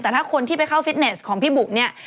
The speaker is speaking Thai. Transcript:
แต่ถ้าคนที่ไปเข้าฟิตเนสของพี่บุ๋เนี่ย